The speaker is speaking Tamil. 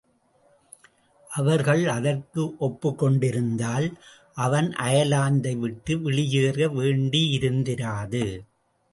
அவர்கள் அதற்கு ஒப்புக்கொண்டிருந்தால், அவன் அயர்லாந்தை விட்டு வெளியேற வேண்டியிருந்திராது.